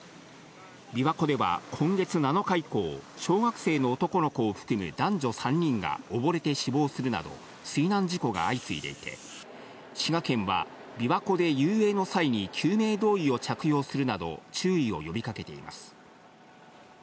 琵琶湖では今月７日以降、小学生の男の子を含む男女３人が溺れて死亡するなど、水難事故が相次いでいて、滋賀県は、琵琶湖で遊泳の際に救命胴衣を着用するなど、注意を呼びかけています。